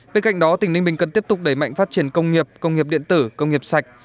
bên cạnh đó tỉnh ninh bình cần tiếp tục đẩy mạnh phát triển công nghiệp công nghiệp điện tử công nghiệp sạch